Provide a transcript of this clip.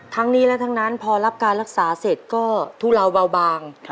ทั้งนี้และทั้งนั้นพอรับการรักษาเสร็จก็ทุเลาเบาบาง